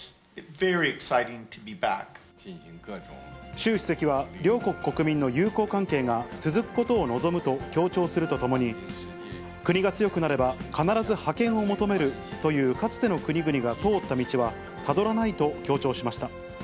習主席は、両国国民の友好関係が続くことを望むと強調するとともに、国が強くなれば、必ず覇権を求めるというかつての国々が通った道はたどらないと強調しました。